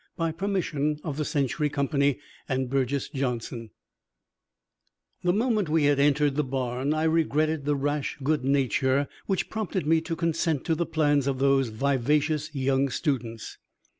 By permission of the Century Company and Burges Johnson. In the Barn BY BURGES JOHNSON The moment we had entered the barn, I regretted the rash good nature which prompted me to consent to the plans of those vivacious young students.